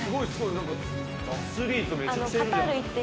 何かアスリートめちゃくちゃいるじゃん。